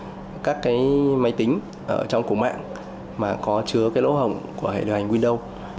mã độc có thể lây nhiễm qua các máy tính trong cổ mạng mà có chứa lỗ hồng của hệ điều hành windows